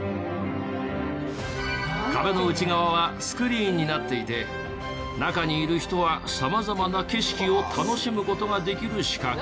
壁の内側はスクリーンになっていて中にいる人は様々な景色を楽しむ事ができる仕掛け。